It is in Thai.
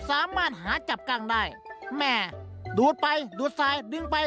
สามารถหาจับกั้งได้แม่ดูดไปดูดทรายดึงไป